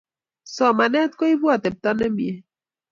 Somanet kuipu atepto nemie